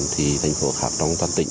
thì thành phố khác trong toàn tỉnh